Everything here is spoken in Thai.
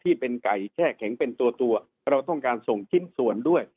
ที่เป็นไก่แช่แข็งเป็นตัวตัวเราต้องการส่งชิ้นส่วนด้วย